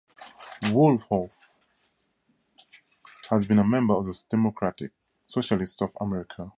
Wohlforth has been a member of the Democratic Socialists of America.